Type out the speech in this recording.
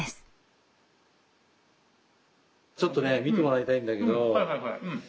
ちょっとね見てもらいたいんだけど。